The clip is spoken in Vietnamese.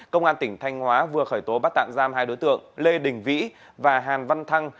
công an tỉnh thanh hóa vừa khởi tố bắt tạm giam hai đối tượng lê đình vĩ và hàn văn thăng